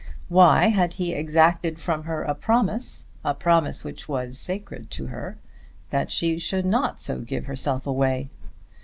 Why had he exacted from her a promise, a promise which was sacred to her, that she would not so give herself away?